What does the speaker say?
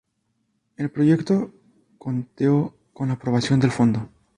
El proyecto conteo con la aprobación del Fondo.